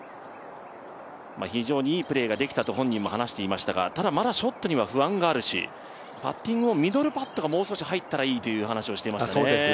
非常にいいプレーができたと本人も話していましたがただ、まだショットには不安があるしパッティングもミドルパットがもう少し入ったらいいなっていう話をしてました。